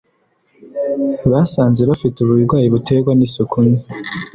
basanze bafite uburwayi buterwa n’isuku nke